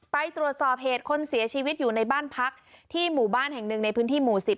ไปตรวจสอบเหตุคนเสียชีวิตอยู่ในบ้านพักที่หมู่บ้านแห่งหนึ่งในพื้นที่หมู่๑๐